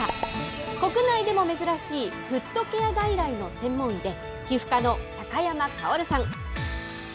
国内でも珍しい、フットケア外来の専門医で、皮膚科の高山かおるさん。